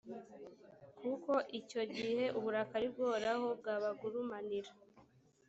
kuko icyo gihe uburakari bw’uhoraho bwabagurumanira,